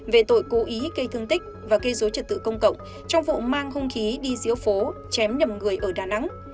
về tội cố ý gây thương tích và gây dối trật tự công cộng trong vụ mang hung khí đi diễu phố chém nhầm người ở đà nẵng